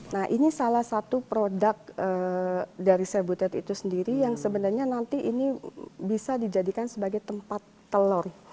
nah ini salah satu produk dari sebutet itu sendiri yang sebenarnya nanti ini bisa dijadikan sebagai tempat telur